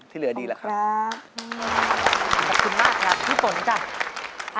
ที่เหลือดีแหละครับฟาร์ตี้ชิคกี้พายขอบคุณมากครับพี่ฝนจ้า